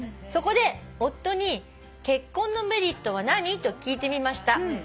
そこで夫に結婚のメリットは何？と聞いてみました」